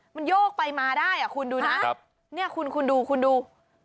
มันโยกไปมาได้อ่ะคุณดูนะเนี่ยคุณคุณดูคุณดู